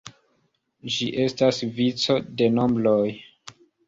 Ĝi estas vico de nombroj.